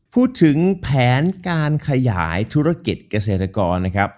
พูดถึงแผนการขยายธุรกิจเกษตรกรนะครับ